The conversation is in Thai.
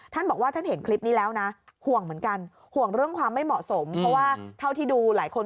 ท่านบอกว่าท่านเห็นคลิปนี้แล้วนะห่วงเหมือนกันห่วงเรื่องความไม่เหมาะสมเพราะว่าเท่าที่ดูหลายคน